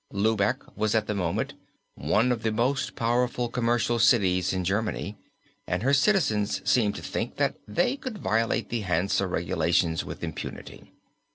Lübeck was at the moment one of the most powerful commercial cities in Germany, and her citizens seemed to think that they could violate the Hansa regulation with impunity.